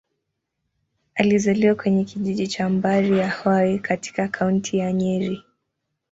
Alizaliwa kwenye kijiji cha Mbari-ya-Hwai, katika Kaunti ya Nyeri.